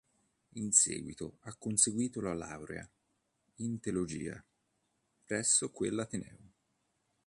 In seguito ha conseguito la laurea in teologia presso quell'ateneo.